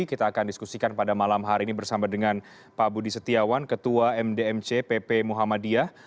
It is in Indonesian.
kita akan diskusikan pada malam hari ini bersama dengan pak budi setiawan ketua mdmc pp muhammadiyah